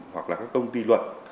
hoặc là các công ty luật